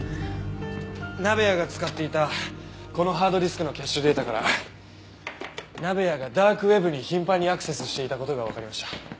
鍋谷が使っていたこのハードディスクのキャッシュデータから鍋谷がダークウェブに頻繁にアクセスしていた事がわかりました。